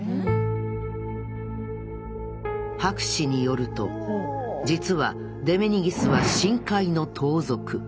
博士によると実はデメニギスは深海の盗賊。